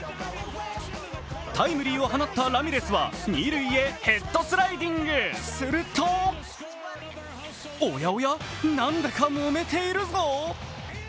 タイムリーを放ったラミレスは二塁へヘッドスライディングするとおやおや、何だかもめているぞ。